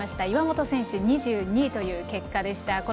岩本選手は２２位という結果でした。